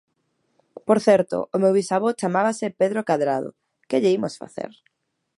Por certo, o meu bisavó chamábase Pedro Cadrado, ¡que lle imos facer!